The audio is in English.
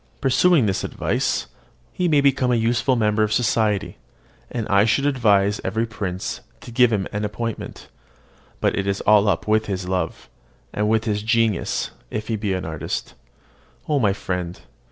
Pursuing this advice, he may become a useful member of society, and I should advise every prince to give him an appointment; but it is all up with his love, and with his genius if he be an artist. O my friend!